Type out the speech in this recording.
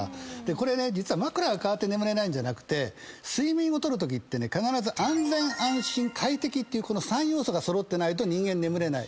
これね実は枕が変わって眠れないんじゃなくて睡眠を取るときってね必ず安全・安心・快適っていうこの３要素が揃ってないと人間眠れない。